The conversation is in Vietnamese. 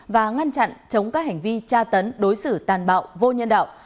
và ngăn chặn chống các hành vi tra tấn đối xử tàn bạo vô nhân đạo